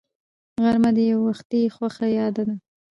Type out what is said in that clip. غرمه د یووختي خوښۍ یاد ده